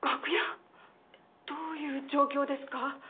えっ？どういう状況ですか？